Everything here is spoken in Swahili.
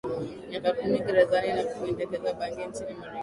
miaka kumi gerezani kwa kupenyeza bangi nchini Marekani